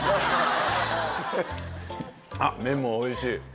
あっ麺もおいしい